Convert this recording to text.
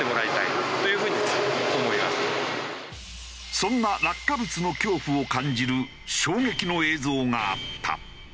そんな落下物の恐怖を感じる衝撃の映像があった。